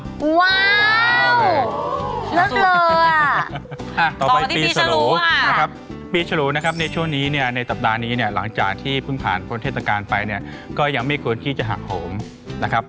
ต่อไปปีฉลูนะครับปีฉลูนะครับในช่วงนี้เนี่ยในสัปดาห์นี้เนี่ยหลังจากที่เพิ่งผ่านพ้นเทศกาลไปเนี่ยก็ยังไม่ควรที่จะหักโหมนะครับ